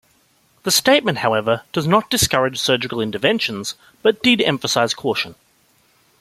The statement, however, does not discourage surgical interventions, but did emphasize caution.